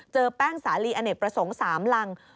เจอแป้งสาลีอเน็ตประสงค์๓ลัง